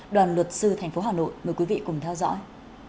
đoàn luật sư thành phố hà nội mời quý vị cùng theo dõi